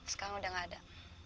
sekarang udah gak ada